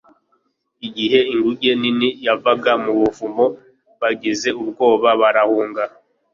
Igihe inguge nini yavaga mu buvumo bagize ubwoba barahunga